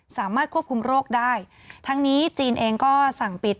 สามารถควบคุมโรคได้ทั้งนี้จีนเองก็สั่งปิด